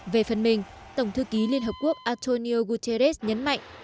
về phần mình tổng thư ký liên hợp quốc antonio guterres nhấn mạnh